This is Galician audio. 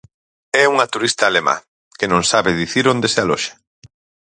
É unha turista alemá, que non sabe dicir onde se aloxa.